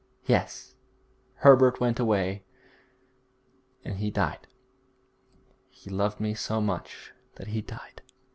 'Yes, Herbert went away; and he died. He loved me so much that he died.'